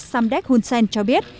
samdet hun sen cho biết